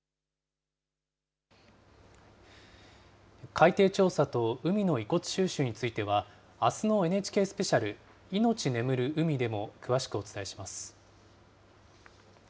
海底調査と海の遺骨収集については、あすのＮＨＫスペシャルいのち眠る海でも詳しくお伝えします。